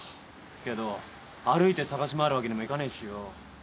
けど歩いて捜し回るわけにもいかねえしよ。